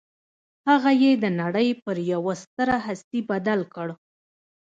هغه يې د نړۍ پر يوه ستره هستي بدل کړ.